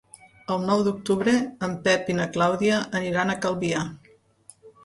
El nou d'octubre en Pep i na Clàudia aniran a Calvià.